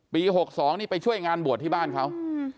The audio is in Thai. ๖๒นี่ไปช่วยงานบวชที่บ้านเขา